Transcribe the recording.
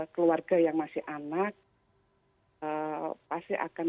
keluarga yang masih anak pasti akan